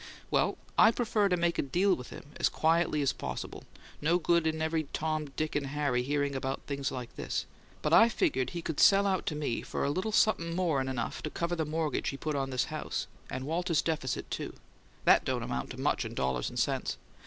Well, I'd prefer to make a deal with him as quietly as possible no good in every Tom, Dick and Harry hearing about things like this but I figured he could sell out to me for a little something more'n enough to cover the mortgage he put on this house, and Walter's deficit, too THAT don't amount to much in dollars and cents.